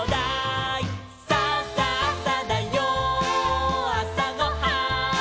「さあさあさだよあさごはん」